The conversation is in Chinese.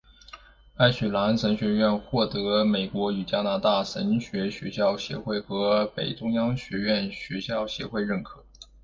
爱许兰神学院或得美国与加拿大神学学校协会和北中央学院学校协会认可。